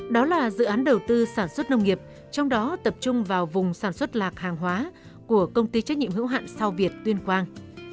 đó là dự án đầu tư sản xuất nông nghiệp trong đó tập trung vào vùng sản xuất lạc hàng hóa của công ty trách nhiệm hữu hạn sao việt tuyên quang